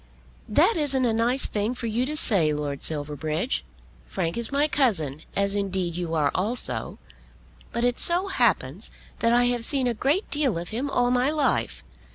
"That isn't a nice thing for you to say, Lord Silverbridge. Frank is my cousin, as indeed you are also; but it so happens that I have seen a great deal of him all my life.